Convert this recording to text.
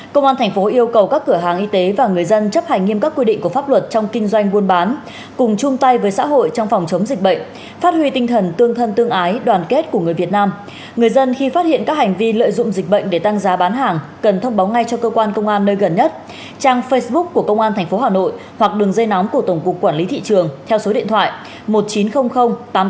công an thành phố yêu cầu các cửa hàng y tế và người dân chấp hành nghiêm các quy định của pháp luật